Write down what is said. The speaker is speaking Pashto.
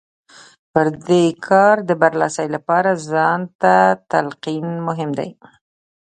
پر دې کار د برلاسۍ لپاره ځان ته تلقين مهم دی.